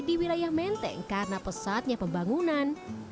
di wilayah menteng karena pesatnya pembangunan